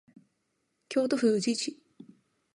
京都府宇治市